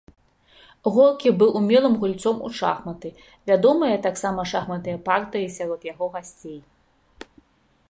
Горкі быў умелым гульцом у шахматы, вядомыя таксама шахматныя партыі сярод яго гасцей.